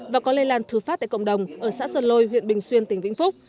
và có lây lan thừa phát tại cộng đồng ở xã sơn lôi huyện bình xuyên tỉnh vĩnh phúc